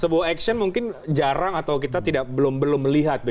sebuah action mungkin jarang atau kita belum melihat